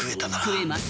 食えます。